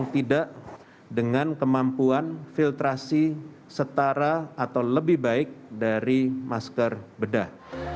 tidak dengan kemampuan filtrasi setara atau lebih baik dari masker bedah